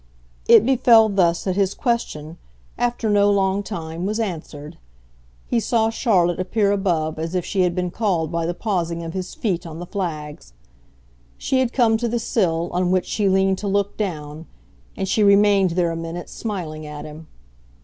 It befell thus that his question, after no long time, was answered; he saw Charlotte appear above as if she had been called by the pausing of his feet on the flags. She had come to the sill, on which she leaned to look down, and she remained there a minute smiling at him.